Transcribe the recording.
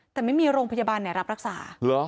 แต่ไม่มีโรงพยาบาลรับรักษา